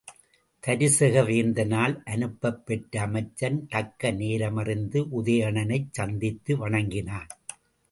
தருசக வேந்தனால் அனுப்பப் பெற்ற அமைச்சன், தக்க நேரமறிந்து உதயணனைச் சந்தித்து வணங்கினான்.